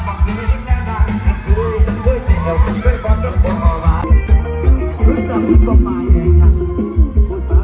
ไอ้แม่สุดท้ายอ่ะว่าไอ้แม่สุดท้ายอ่ะ